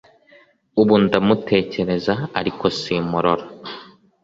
Ubu ndamutekereza ariko simmurora